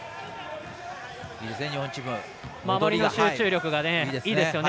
守りの集中力がいいですね。